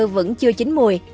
vẫn chưa chín mùi